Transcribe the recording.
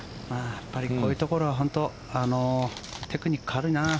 こういうところは本当テクニックあるな。